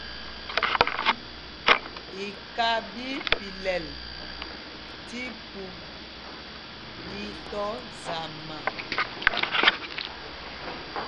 Iká ɓí í pilɛl tí pûp ɓi tɔ zama.